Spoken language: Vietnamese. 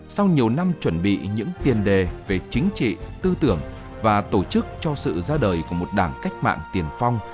sau nhiều năm chuẩn bị những tiền đề về chính trị tư tưởng và tổ chức cho sự ra đời của một đảng cách mạng tiền phong